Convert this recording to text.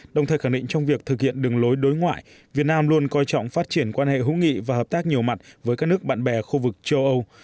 đồng thời khẳng định trong việc thực hiện đường lối đối ngoại việt nam luôn coi trọng phát triển quan hệ hữu nghị và hợp tác nhiều mặt với các nước bạn bè khu vực châu âu